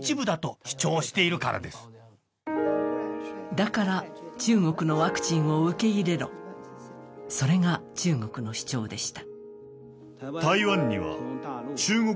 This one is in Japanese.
だから中国のワクチンを受け入れろ、それが中国の主張でした。